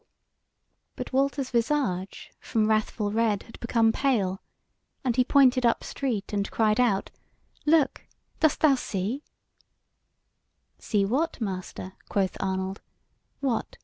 But Walter's visage from wrathful red had become pale, and he pointed up street, and cried out: "Look! dost thou see?" "See what, master?" quoth Arnold: "what!